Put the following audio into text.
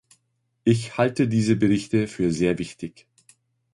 Ich halte diese Berichte für sehr wichtig.